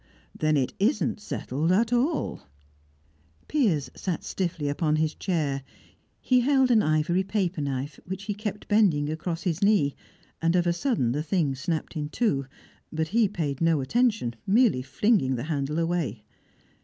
"H'm! Then it isn't settled at all." Piers sat stiffly upon his chair. He held an ivory paperknife, which he kept bending across his knee, and of a sudden the thing snapped in two. But he paid no attention, merely flinging the handle away.